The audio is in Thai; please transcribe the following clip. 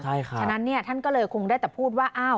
เพราะฉะนั้นท่านก็เลยคงได้แต่พูดว่า